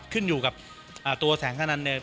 ขึ้นอยู่กับตัวแสงอนันเนี่ย